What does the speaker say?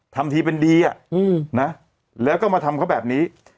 ทำทีเป็นดีนะแล้วก็มาทำเขาแบบนี้